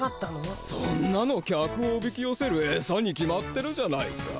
そんなの客をおびきよせるえさに決まってるじゃないか。